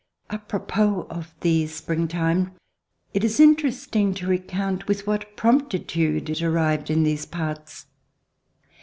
A propos of the springtime. It Is Interesting to recount with what promptitude it arrived in these parts.